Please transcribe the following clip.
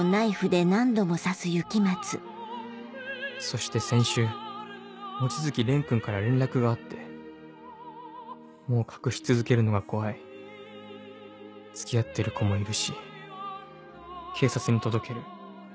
そして先週望月蓮君から連絡があって「もう隠し続けるのが怖い付き合ってる子もいるし警察に届ける」。